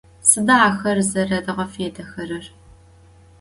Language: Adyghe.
Sıda axer zeredğefêdexerer?